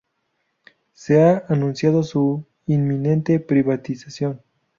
Se ha anunciado su inminente privatización.